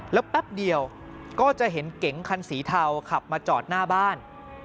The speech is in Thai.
แล้วแป๊บเดียวก็จะเห็นเก๋งคันสีเทาขับมาจอดหน้าบ้าน